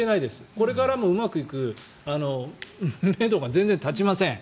これからも、うまくいくめどが全然立ちません。